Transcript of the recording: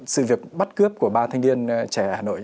sự việc bắt cướp của ba thanh niên trẻ ở hà nội